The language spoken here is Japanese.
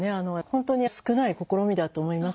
本当に少ない試みだと思います。